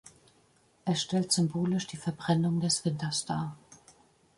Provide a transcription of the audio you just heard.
Es stellt symbolisch die Verbrennung des Winters dar.